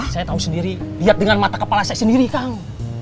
saya tahu sendiri lihat dengan mata kepala saya sendiri kang